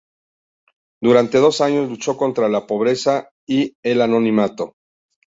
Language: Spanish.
Durante dos años luchó contra la pobreza y e anonimato.